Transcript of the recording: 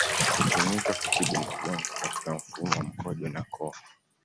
Hutumika kutibu magonjwa katika mfumo wa mkojo na koo.